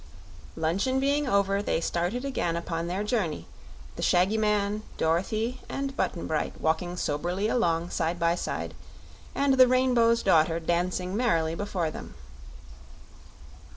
Luncheon being over they started again upon their journey, the shaggy man, Dorothy and Button Bright walking soberly along, side by side, and the Rainbow's Daughter dancing merrily before them.